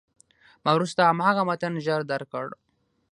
ما وروسته هماغه متن ژر درک کړ.